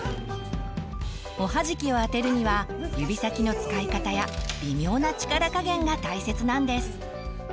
おはじきを当てるには指先の使い方や微妙な力加減が大切なんです。